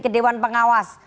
ke dewan pengawas